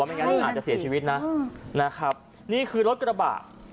ไม่งั้นอาจจะเสียชีวิตนะนะครับนี่คือรถกระบะ